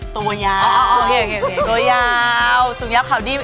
ตัวยาวสูงยาวขาวดี